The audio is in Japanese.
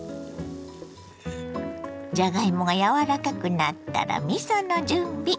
じゃがいもが柔らかくなったらみその準備。